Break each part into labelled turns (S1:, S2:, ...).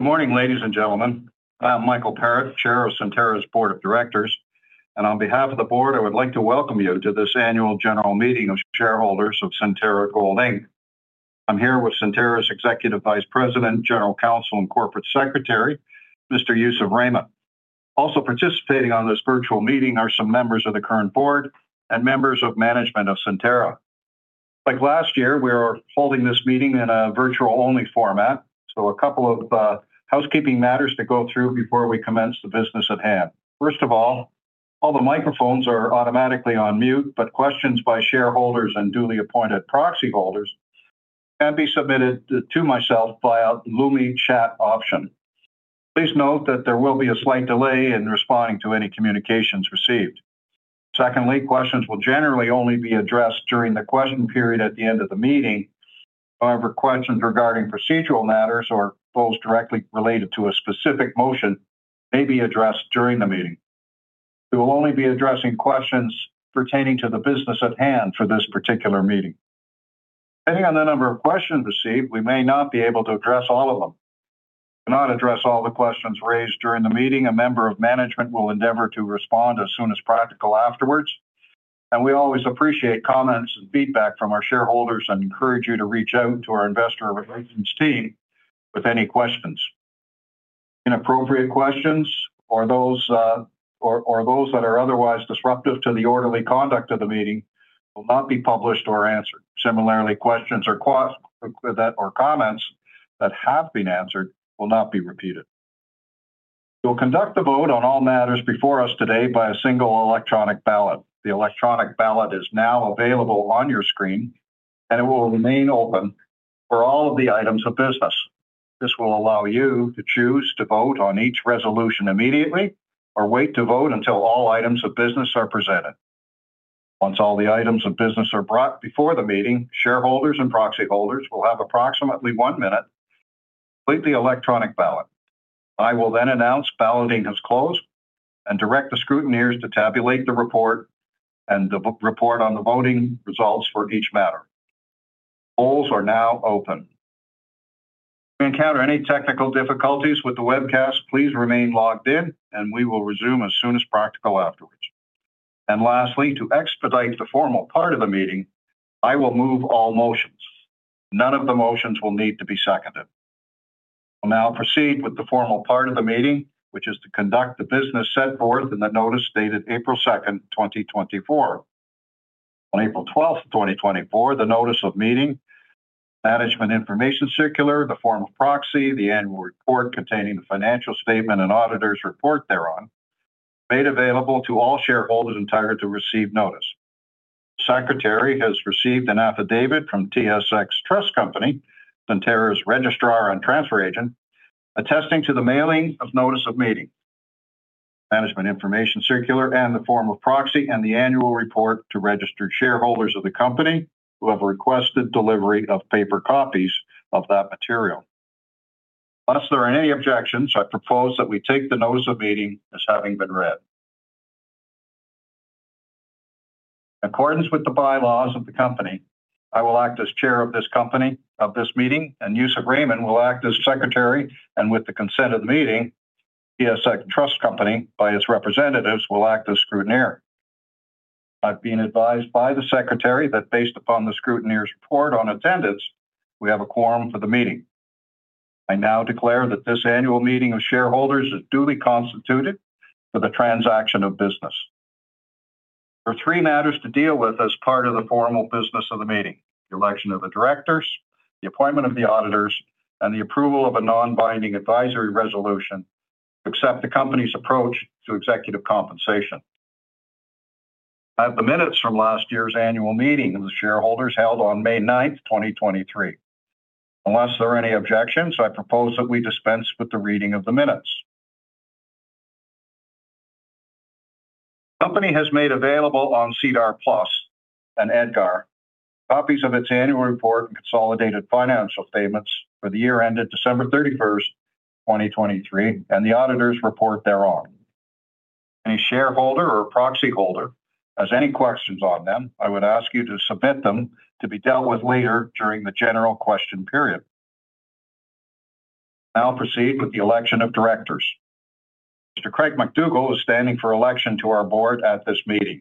S1: Good morning, ladies and gentlemen. I'm Michael Parrett, Chair of Centerra's Board of Directors, and on behalf of the board I would like to welcome you to this annual general meeting of shareholders of Centerra Gold Inc. I'm here with Centerra's Executive Vice President, General Counsel, and Corporate Secretary, Mr. Yousef Rehman. Also participating on this virtual meeting are some members of the current Board and members of management of Centerra. Like last year, we are holding this meeting in a virtual-only format, so a couple of housekeeping matters to go through before we commence the business at hand. First of all, all the microphones are automatically on mute, but questions by shareholders and duly appointed proxy holders can be submitted to myself via the Lumi chat option. Please note that there will be a slight delay in responding to any communications received. Secondly, questions will generally only be addressed during the question period at the end of the meeting. However, questions regarding procedural matters or those directly related to a specific motion may be addressed during the meeting. We will only be addressing questions pertaining to the business at hand for this particular meeting. Depending on the number of questions received, we may not be able to address all of them. If we cannot address all the questions raised during the meeting, a member of management will endeavor to respond as soon as practical afterwards, and we always appreciate comments and feedback from our shareholders and encourage you to reach out to our Investor Relations team with any questions. Inappropriate questions or those that are otherwise disruptive to the orderly conduct of the meeting will not be published or answered. Similarly, questions or comments that have been answered will not be repeated. We will conduct the vote on all matters before us today by a single electronic ballot. The electronic ballot is now available on your screen, and it will remain open for all of the items of business. This will allow you to choose to vote on each resolution immediately or wait to vote until all items of business are presented. Once all the items of business are brought before the meeting, shareholders and proxy holders will have approximately one minute to complete the electronic ballot. I will then announce balloting has closed and direct the scrutineers to tabulate the report and the report on the voting results for each matter. Polls are now open. If you encounter any technical difficulties with the webcast, please remain logged in, and we will resume as soon as practical afterwards. Lastly, to expedite the formal part of the meeting, I will move all motions. None of the motions will need to be seconded. We will now proceed with the formal part of the meeting, which is to conduct the business set forth in the notice dated April 2, 2024. On April 12, 2024, the notice of meeting, management information circular, the form of proxy, the annual report containing the financial statement and auditor's report thereon, was made available to all shareholders entitled to receive notice. The Secretary has received an affidavit from TSX Trust Company, Centerra's Registrar and Transfer Agent, attesting to the mailing of notice of meeting, management information circular, and the form of proxy and the annual report to registered shareholders of the company who have requested delivery of paper copies of that material. Unless there are any objections, I propose that we take the notice of meeting as having been read. In accordance with the bylaws of the company, I will act as Chair of this company of this meeting, and Yousef Rehman will act as Secretary, and with the consent of the meeting, TSX Trust Company, by its representatives, will act as scrutineer. I have been advised by the Secretary that, based upon the scrutineer's report on attendance, we have a quorum for the meeting. I now declare that this annual meeting of shareholders is duly constituted for the transaction of business. There are three matters to deal with as part of the formal business of the meeting: the election of the directors, the appointment of the auditors, and the approval of a non-binding advisory resolution to accept the company's approach to executive compensation. I have the minutes from last year's annual meeting of the shareholders held on May 9, 2023. Unless there are any objections, I propose that we dispense with the reading of the minutes. The company has made available on SEDAR+ and EDGAR copies of its annual report and consolidated financial statements for the year ended December 31, 2023, and the auditor's report thereon. If any shareholder or proxy holder has any questions on them, I would ask you to submit them to be dealt with later during the general question period. I will now proceed with the election of directors. Mr. Craig MacDougall is standing for election to our Board at this meeting.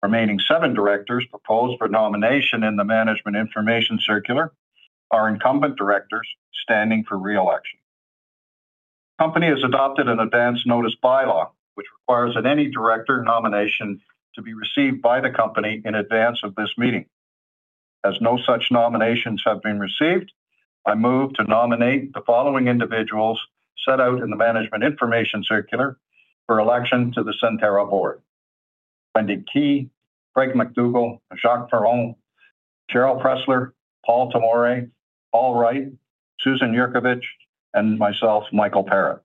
S1: The remaining seven directors proposed for nomination in the management information circular are incumbent directors standing for re-election. The company has adopted an advance notice bylaw, which requires that any director nomination to be received by the company in advance of this meeting. As no such nominations have been received, I move to nominate the following individuals set out in the management information circular for election to the Centerra Board: Wendy Kei, Craig MacDougall, Jacques Perron, Sheryl Pressler, Paul Tomory, Paul Wright, Susan Yurkovich, and myself, Michael Parrett.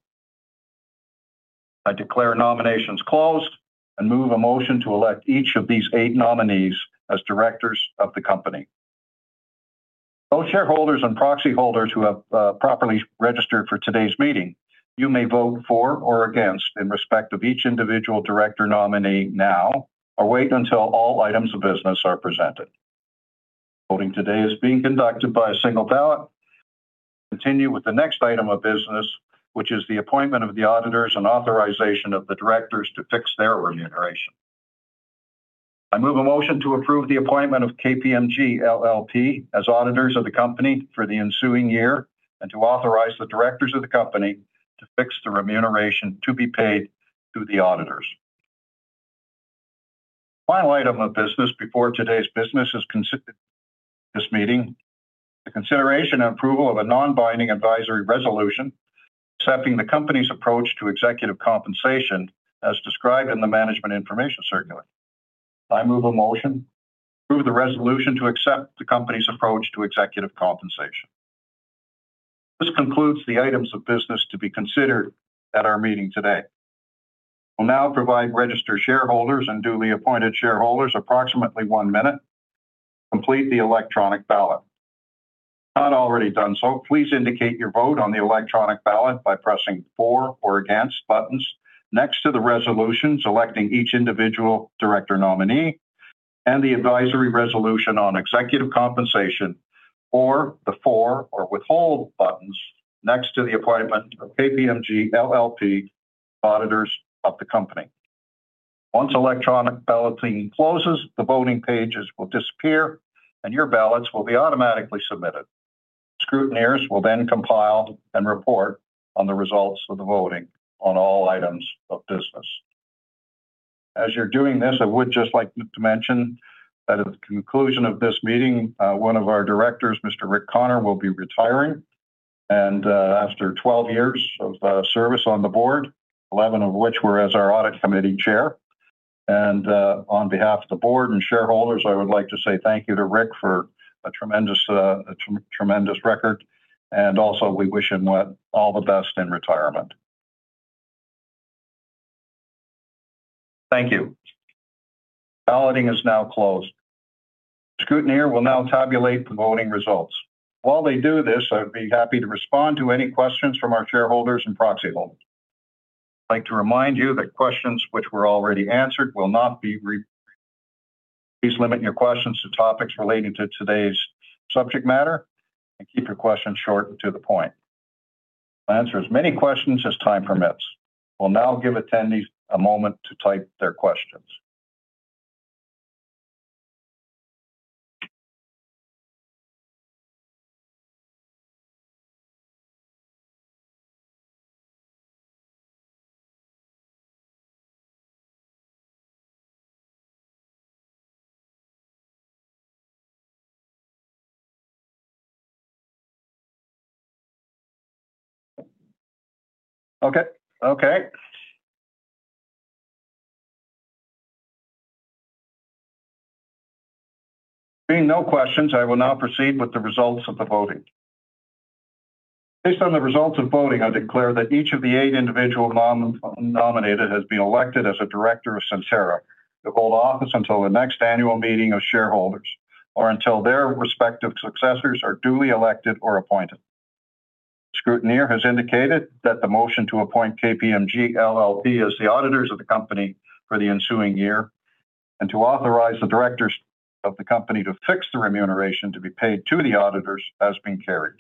S1: I declare nominations closed and move a motion to elect each of these eight nominees as directors of the company. All shareholders and proxy holders who have properly registered for today's meeting, you may vote for or against in respect of each individual director nominee now, or wait until all items of business are presented. Voting today is being conducted by a single ballot. I will continue with the next item of business, which is the appointment of the auditors and authorization of the directors to fix their remuneration. I move a motion to approve the appointment of KPMG LLP as auditors of the company for the ensuing year and to authorize the directors of the company to fix the remuneration to be paid to the auditors. The final item of business before today's business is consideration and approval of a non-binding advisory resolution accepting the company's approach to executive compensation as described in the management information circular. I move a motion to approve the resolution to accept the company's approach to executive compensation. This concludes the items of business to be considered at our meeting today. We will now provide registered shareholders and duly appointed shareholders approximately one minute to complete the electronic ballot. If you have not already done so, please indicate your vote on the electronic ballot by pressing the For or Against buttons next to the resolutions electing each individual director nominee and the advisory resolution on executive compensation, or the For or Withhold buttons next to the appointment of KPMG LLP auditors of the company. Once electronic balloting closes, the voting pages will disappear, and your ballots will be automatically submitted. Scrutineers will then compile and report on the results of the voting on all items of business. As you're doing this, I would just like to mention that at the conclusion of this meeting, one of our directors, Mr. Rick Connor, will be retiring, and after 12 years of service on the Board, 11 of which were as our audit committee chair. On behalf of the Board and shareholders, I would like to say thank you to Rick for a tremendous, tremendous record, and also we wish him all the best in retirement. Thank you. Balloting is now closed. The scrutineer will now tabulate the voting results. While they do this, I would be happy to respond to any questions from our shareholders and proxy holders. I'd like to remind you that questions which were already answered will not be repeated. Please limit your questions to topics relating to today's subject matter and keep your questions short and to the point. We'll answer as many questions as time permits. We'll now give attendees a moment to type their questions. Okay. Okay. Seeing no questions, I will now proceed with the results of the voting. Based on the results of voting, I declare that each of the eight individual nominees has been elected as a director of Centerra to hold office until the next annual meeting of shareholders or until their respective successors are duly elected or appointed. The scrutineer has indicated that the motion to appoint KPMG LLP as the auditors of the company for the ensuing year and to authorize the directors of the company to fix the remuneration to be paid to the auditors has been carried.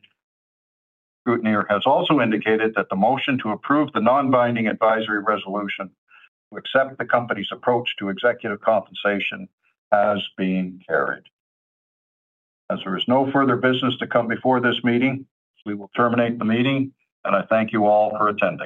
S1: The scrutineer has also indicated that the motion to approve the non-binding advisory resolution to accept the company's approach to executive compensation has been carried. As there is no further business to come before this meeting, we will terminate the meeting, and I thank you all for attending.